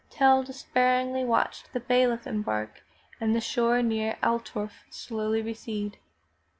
Tell despairingly watched the bailiff embark and the shore near Altdorf slowly recede.